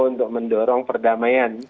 untuk mendorong perdamaian